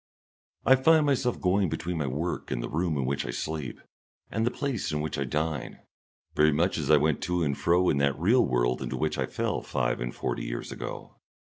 I find myself going between my work and the room in which I sleep and the place in which I dine, very much as I went to and fro in that real world into which I fell five and forty years ago.